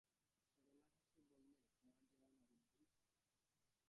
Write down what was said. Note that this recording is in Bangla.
সরলা হেসে বললে, তোমার যেমন বুদ্ধি!